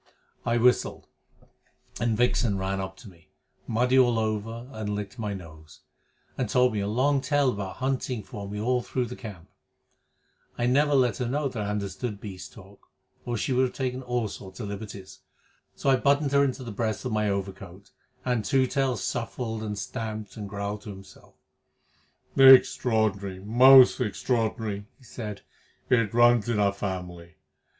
I whistled, and Vixen ran up to me, muddy all over, and licked my nose, and told me a long tale about hunting for me all through the camp. I never let her know that I understood beast talk, or she would have taken all sorts of liberties. So I buttoned her into the breast of my overcoat, and Two Tails shuffled and stamped and growled to himself. "Extraordinary! Most extraordinary!" he said. "It runs in our family.